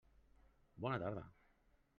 Bona tarda.